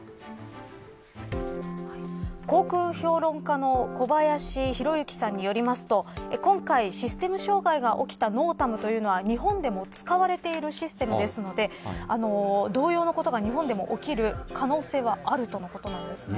航空評論家の小林宏之さんによりますと今回システム障害が起きたＮＯＴＡＭというのは日本でも使われているシステムなので同様のことが日本でも起きる可能性はあるとのことです。